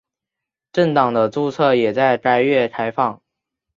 政党的注册也在该月开放。